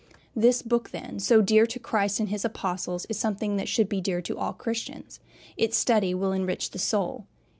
This book, then, so dear to Christ and his Apostles, is something that should be dear to all Christians. Its study will enrich the soul.